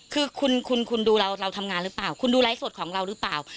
คุณดูเราทำงานหรือเปล่าคุณดูไร้ส่วนของเราหรือเปล่า